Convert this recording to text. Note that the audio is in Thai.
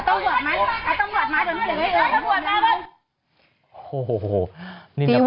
ต้องหมวยมาต้องหมวยมาแต่ไม่เหลือไว้